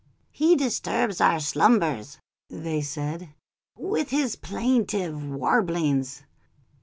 "He disturbs our slumbers," they said, "'with his plaintive warblings.